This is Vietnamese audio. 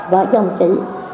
gọi cho một chị